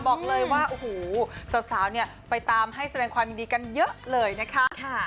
บอกเลยว่าโอ้โหสาวเนี่ยไปตามให้แสดงความยินดีกันเยอะเลยนะคะ